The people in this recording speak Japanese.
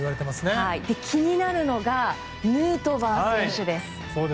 気になるのはヌートバー選手です。